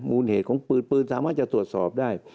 เหตุของปืนปืนสามารถจะตรวจสอบได้